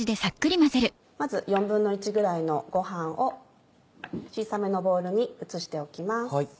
まず４分の１ぐらいのご飯を小さめのボウルに移しておきます。